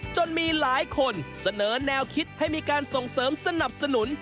จนมีหลายคนเสนอแนวคิดให้มีการส่งเสริมสนับสนุน